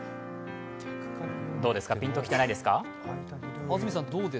どうですか、ピンときてないですか？